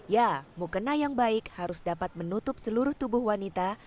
ya mukena yang baik harus dapat menutup seluruh tubuh wanita